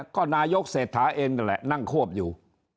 ก็นายกเศรษฐาเองนั่นแหละนั่งควบอยู่